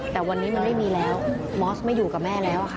แต่วันนี้มันไม่มีแล้วมอสไม่อยู่กับแม่แล้วค่ะ